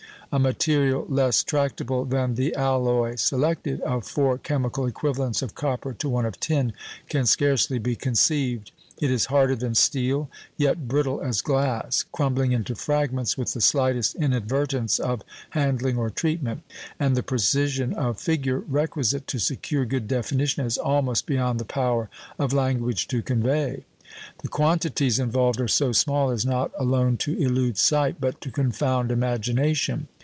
A material less tractable than the alloy selected, of four chemical equivalents of copper to one of tin, can scarcely be conceived. It is harder than steel, yet brittle as glass, crumbling into fragments with the slightest inadvertence of handling or treatment; and the precision of figure requisite to secure good definition is almost beyond the power of language to convey. The quantities involved are so small as not alone to elude sight, but to confound imagination.